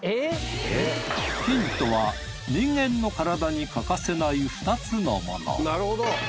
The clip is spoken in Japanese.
ヒントは人間の体に欠かせない２つのもの。